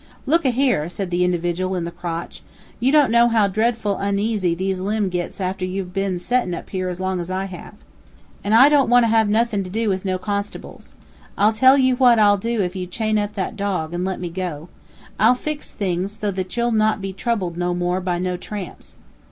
"Look a here," said the individual in the crotch, "you don't know how dreadful oneasy these limbs gits after you've been settin up here as long as I have. And I don't want to have nuthin to do with no constables. I'll tell you what I'll do if you'll chain up that dog, and let me go, I'll fix things so that you'll not be troubled no more by no tramps."